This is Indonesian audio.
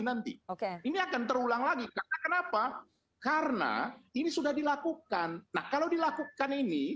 nanti oke ini akan terulang lagi karena kenapa karena ini sudah dilakukan nah kalau dilakukan ini